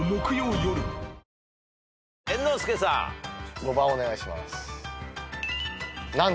５番お願いします。